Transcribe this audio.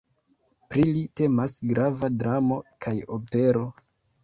Pri li temas grava dramo kaj opero.